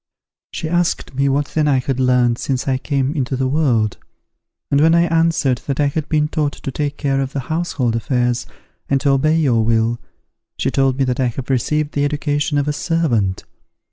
She asked me what then I had learnt, since I came into the world; and when I answered that I had been taught to take care of the household affairs, and to obey your will, she told me that I had received the education of a servant.